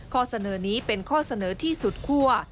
ข้อเสนอนี้เป็นข้อเสนอที่สุดคั่ว